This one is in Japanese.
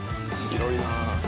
広いな。